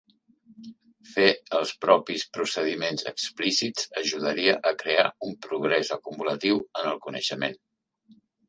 Fer els propis procediments explícits ajudaria a crear un "progrés acumulatiu en el coneixement".